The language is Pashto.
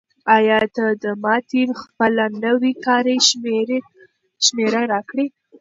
آیا ته به ماته خپله نوې کاري شمېره راکړې؟